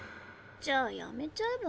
じゃあやめちゃえば？